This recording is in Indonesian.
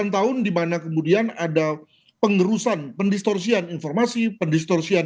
sembilan tahun dimana kemudian ada pengerusan pendistorsian informasi pendistorsian